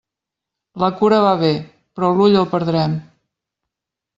La cura va bé, però l'ull el perdrem.